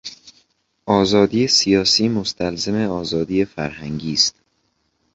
آزادی سیاسی مستلزم آزادی فرهنگی است.